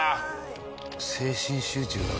精神集中だね